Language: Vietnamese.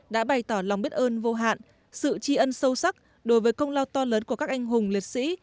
đã bày tỏ lòng biết ơn vô hạn sự tri ân sâu sắc đối với công lao to lớn của các anh hùng liệt sĩ